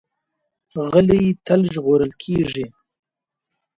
غلی، تل ژغورل کېږي.